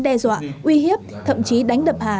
đe dọa uy hiếp thậm chí đánh đập hà